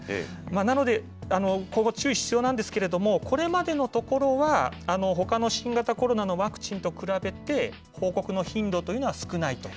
なので、今後、注意必要なんですけれども、これまでのところは、ほかの新型コロナのワクチンと比べて、報告の頻度というのは少ないと。